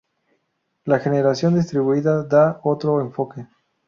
La generación distribuida da otro enfoque.